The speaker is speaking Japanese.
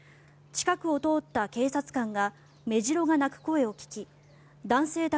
近くを通った警察官がメジロが鳴く声を聞き男性